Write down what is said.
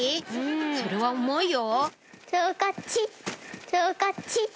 それは重いよ？